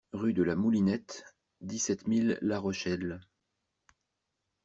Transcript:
Rue DE LA MOULINETTE, dix-sept mille La Rochelle